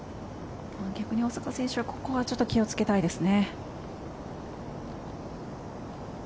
逆に大坂選手はここは気をつけたいですね。